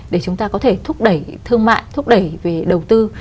để chúng ta có thể thúc đẩy thương mại thúc đẩy về đầu tư